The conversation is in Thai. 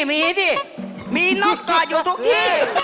มีนกกอดอยู่ทุกที่